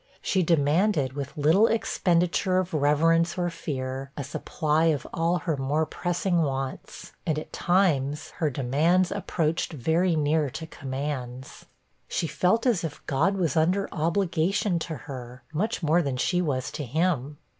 She demanded, with little expenditure of reverence or fear, a supply of all her more pressing wants, and at times her demands approached very near to commands. She felt as if God was under obligation to her, much more than she was to him.